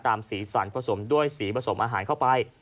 สีสันผสมด้วยสีผสมอาหารเข้าไป